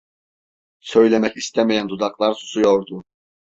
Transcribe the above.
Söylemek istemeyen dudaklar susuyordu.